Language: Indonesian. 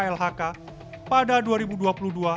dari data kementerian lingkungan hidup dan kehutanan atau kkm